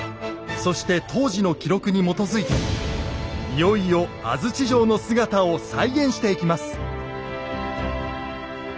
そして当時の記録に基づいていよいよ安土城の姿を再現していきます。